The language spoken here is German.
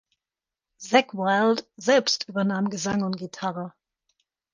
Zakk Wylde selbst übernahm Gesang und Gitarre.